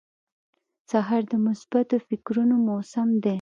سهار د مثبتو فکرونو موسم دی.